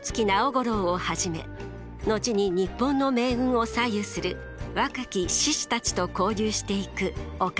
五郎をはじめ後に日本の命運を左右する若き志士たちと交流していく於一。